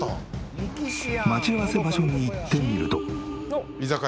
「三木市やん」待ち合わせ場所に行ってみると。